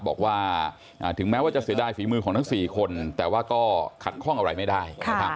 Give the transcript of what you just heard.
บอกว่าถึงแม้ว่าจะเสียดายฝีมือของทั้ง๔คนแต่ว่าก็ขัดข้องอะไรไม่ได้